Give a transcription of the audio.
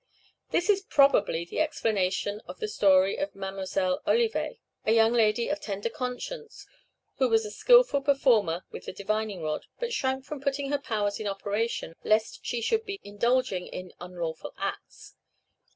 This is probably the explanation of the story of Mdlle. Olivet, a young lady of tender conscience, who was a skilful performer with the divining rod, but shrank from putting her powers in operation, lest she should be indulging in unlawful acts.